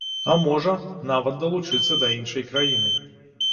А, можа, нават далучыцца да іншай краіны.